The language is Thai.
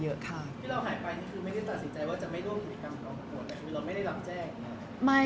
พี่เราหายไปนี่คือไม่ได้ตัดสินใจว่าจะไม่ร่วมกับกรรมของเรา